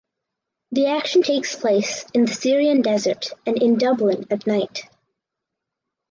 The action takes place in the Syrian desert and in Dublin at night.